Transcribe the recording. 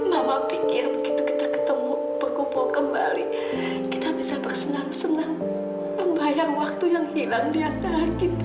mama pikir begitu kita ketemu berkumpul kembali kita bisa bersenang senang membayang waktu yang hilang di atas kita